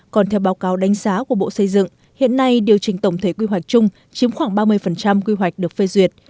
còn theo báo cáo đánh giá của bộ xây dựng hiện nay điều chỉnh tổng thể quy hoạch chung chiếm khoảng ba mươi quy hoạch được phê duyệt